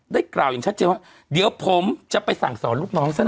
กล่าวอย่างชัดเจนว่าเดี๋ยวผมจะไปสั่งสอนลูกน้องซะ